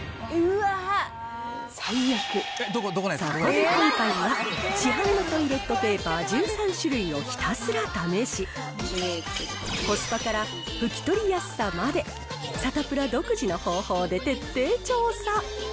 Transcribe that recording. そこで今回は、市販のトイレットペーパー１３種類をひたすら試し、コスパから拭き取りやすさまで、サタプラ独自の方法で徹底調査。